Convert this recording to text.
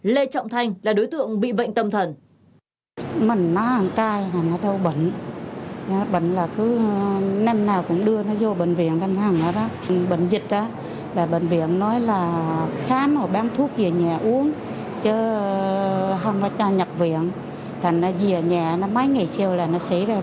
lê trọng thanh là đối tượng bị bệnh tâm thần